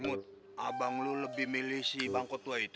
mut abang lo lebih milih si bangkot lo itu